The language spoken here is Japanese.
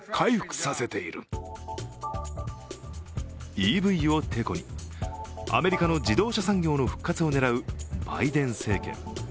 ＥＶをてこにアメリカの自動車産業の復活を狙うバイデン政権。